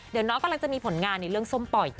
เดี๋ยวน้องกำลังจะมีผลงานในเรื่องส้มปล่อย